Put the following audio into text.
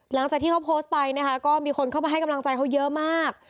หลังจากที่เขาโพสต์ไปนะคะก็มีคนเข้ามาให้กำลังใจเขาเยอะมาก